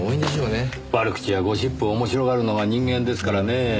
悪口やゴシップを面白がるのが人間ですからねぇ。